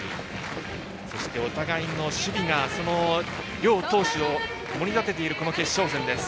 そしてお互いの守備が両投手を盛り立てているこの決勝戦です。